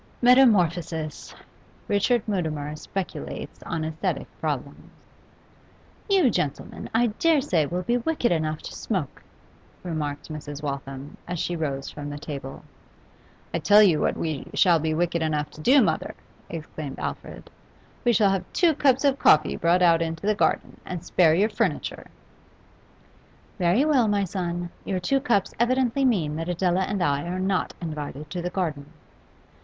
Metamorphosis! Richard Mutimer speculates on asthetic problems. 'You, gentlemen, I dare say will be wicked enough to smoke,' remarked Mrs. Waltham, as she rose from the table. 'I tell you what we shall be wicked enough to do, mother,' exclaimed Alfred. 'We shall have two cups of coffee brought out into the garden, and spare your furniture!' 'Very well, my son. Your two cups evidently mean that Adela and I are not invited to the garden.